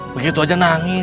begitu aja nangis